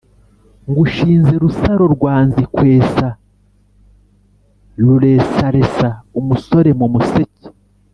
«ngushinze rusaro rwa nzikwesa ruresaresa umusore mu museke